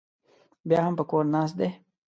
بیا هم په کور ناست دی